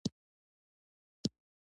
د پلار رضا د خدای رضا ده.